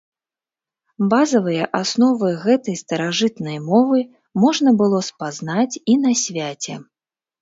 Базавыя асновы гэтай старажытнай мовы можна было спазнаць і на свяце.